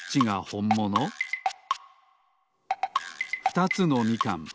ふたつのみかん。